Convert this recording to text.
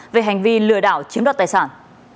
về hành vi lừa đảo chiếm đoạt tài sản